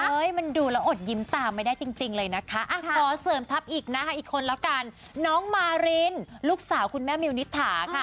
มันดูแล้วอดยิ้มตามไม่ได้จริงเลยนะคะขอเสริมทัพอีกนะคะอีกคนแล้วกันน้องมารินลูกสาวคุณแม่มิวนิษฐาค่ะ